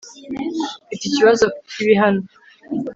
mfite ikibazo kibi hano